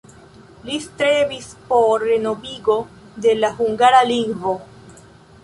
Li strebis por renovigo de la hungara lingvo.